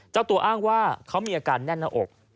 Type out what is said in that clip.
เจ้าตัวอ้างว่าเขามีอาการแน่นหน้าอก